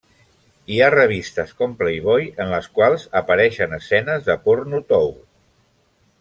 Hi ha revistes com Playboy, en les quals apareixen escenes de porno tou.